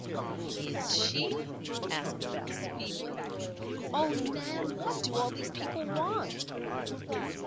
"Is she?" asked Bess, feebly. "Oh, Nan! what do all these people want?"